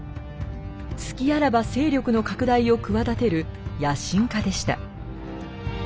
隙あらば勢力の拡大を企てる野心家でした。